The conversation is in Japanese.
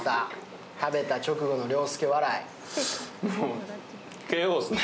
食べた直後の陵介笑い。